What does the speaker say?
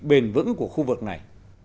bền vững của khu vực này